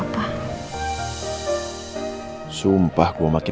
terima kasih au mbak jaman ini